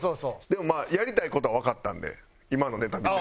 でもやりたい事はわかったんで今のネタ見て。